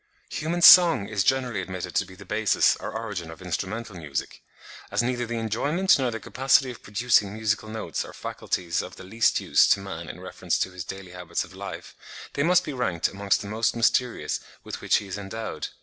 Human song is generally admitted to be the basis or origin of instrumental music. As neither the enjoyment nor the capacity of producing musical notes are faculties of the least use to man in reference to his daily habits of life, they must be ranked amongst the most mysterious with which he is endowed.